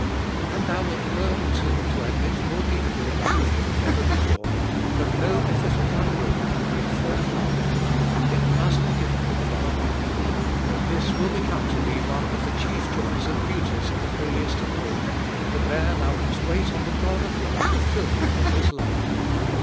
And thou wilt learn, too, to admit more deeply and truly than ever before, that no effort of thy will can bring forth love ; it must be given thee from above. This will become to thee one of the chief joys and beauties of the Holiest of All, that there thou canst wait on the God of love to fill thee with His love.